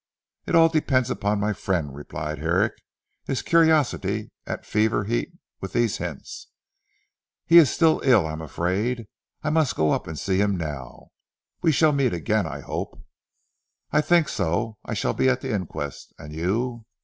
"It all depends upon my friend," replied Herrick his curiosity at fever heat with these hints, "he is ill I am afraid. I must go up and see him now. We shall meet again I hope." "I think so. I shall be at the inquest. And you?"